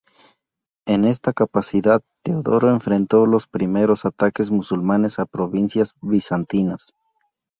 En esta capacidad, Teodoro enfrentó los primeros ataques musulmanes a provincias bizantinas.